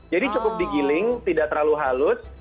jadi cukup digiling tidak terlalu halus